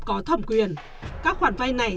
có thẩm quyền các khoản vay này